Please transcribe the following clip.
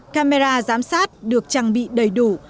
camera giám sát được trang bị đầy đủ